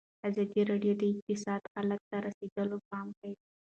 ازادي راډیو د اقتصاد حالت ته رسېدلي پام کړی.